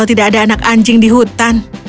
tidak ada anak anjing di hutan